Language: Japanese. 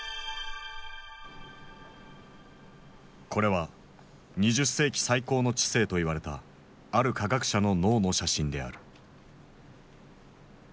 これは２０世紀最高の知性と言われたある科学者の脳の写真である。